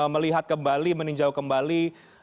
melihat kembali meninjau kembali